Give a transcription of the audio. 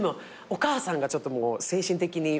お母さんがちょっと精神的に。